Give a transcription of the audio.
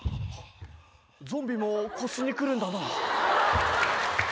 ゾンビも腰に来るんだな。